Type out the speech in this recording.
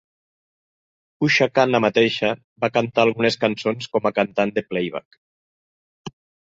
Usha Khanna mateixa va cantar algunes cançons com a cantant de playback.